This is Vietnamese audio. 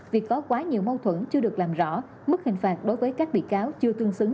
việc có quá nhiều mâu thuẫn chưa được làm rõ mức hình phạt đối với các bị cáo chưa tương xứng